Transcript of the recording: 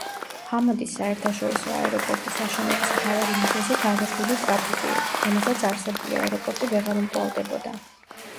ჰამადის საერთაშორისო აეროპორტის აშენების მთავარი მიზეზი გაზრდილი ტრაფიკი იყო რომელსაც არსებული აეროპორტი ვეღარ უმკლავდებოდა.